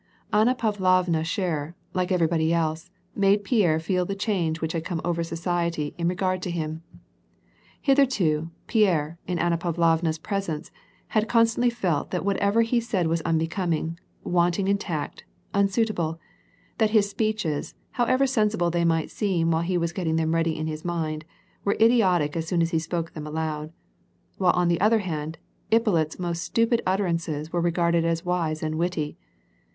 Anna Pavlovna Scherer, like everybody else, made Pierre feel the change which had come over society in regard to him. Hitlierto, Pierre, in Anna Pavlovna's presence, had con stantly felt that whatever he said was unbecoming, wanting in tact, unsuitable ; that his speeches, however sensible they might seem while he was getting them ready in his mind, were idiotic as soon as he spoke them aloud ; while, on the otlicr hand, Ippolit's most stupid utterances were regarded as wise and witty.